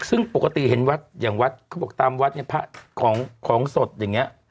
ซึ่งปกติเห็นวัดอย่างวัดเขาบอกตามวัดเนี่ยพระของสดอย่างนี้